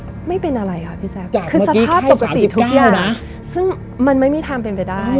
ไม่เป็นอะไรค่ะพี่แจ๊คคือสภาพปกติทุกอย่างนะซึ่งมันไม่มีทางเป็นไปได้